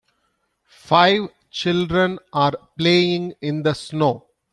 Five children are playing in the snow.